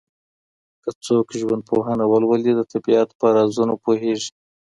که څوک ژوندپوهنه ولولي، د طبیعت په رازونو پوهیږي.